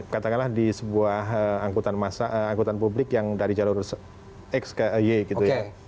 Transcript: katakanlah di sebuah angkutan publik yang dari jalur x ke y gitu ya